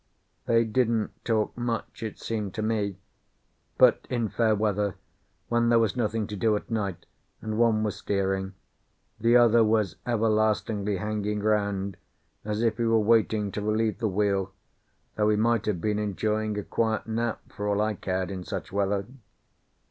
They didn't talk much, it seemed to me; but in fair weather, when there was nothing to do at night, and one was steering, the other was everlastingly hanging round as if he were waiting to relieve the wheel, though he might have been enjoying a quiet nap for all I cared in such weather.